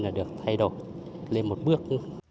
là được thay đổi lên một bước